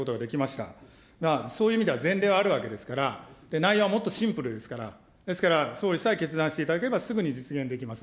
が、そういう意味では、前例があるわけですから、内容はもっとシンプルですから、ですから、総理さえ決断していただければ、すぐに実現できます。